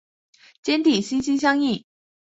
坚持心心相印。